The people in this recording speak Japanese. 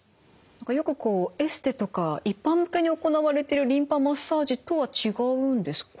よくこうエステとか一般向けに行われてるリンパマッサージとは違うんですか？